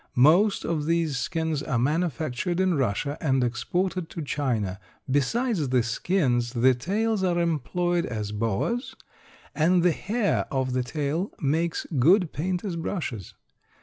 Most of these skins are manufactured in Russia and exported to China. Besides the skins, the tails are employed as boas, and the hair of the tail makes good painters' brushes.